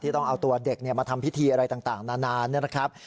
ต้องเอาตัวเด็กมาทำพิธีอะไรต่างนานนะครับ